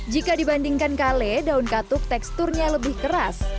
jika dibandingkan kale daun katuk teksturnya lebih keras